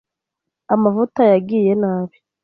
Amavuta yagiye nabi.